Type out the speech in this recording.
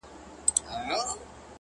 کور مي د بلا په لاس کي وليدی”